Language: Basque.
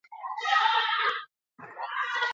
Ba al da greba egiteko arrazoirik?